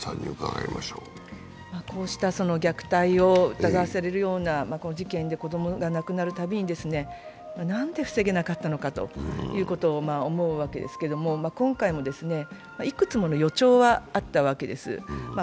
こうした虐待を疑わせるような、事件で子供が亡くなるたびに、なんで防げなかったのかということを思うわけですけど、今回もいくつもの予兆はあったわけです。